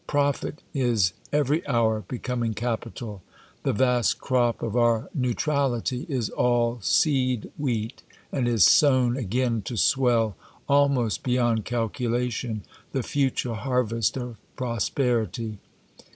Profit is every hour becoming capital. The vast crop of our neutrality is all seed wheat, and is sown again, to swell, almost beyond calculation, the future harvest^ of prosperity.